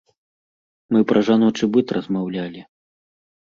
Мы пра жаночы быт размаўлялі.